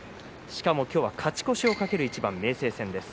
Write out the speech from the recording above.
しかも今日は勝ち越しを懸ける一番明生戦です。